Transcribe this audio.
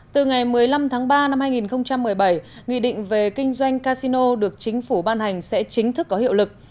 từ ngày một mươi năm tháng ba năm hai nghìn một mươi bảy nghị định về kinh doanh casino được chính phủ ban hành sẽ chính thức có hiệu lực